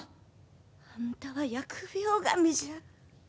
あんたは疫病神じゃ。